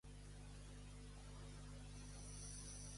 Bonig no creu que sigui la primera presidenta de la Generalitat.